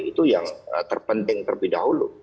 itu yang terpenting terlebih dahulu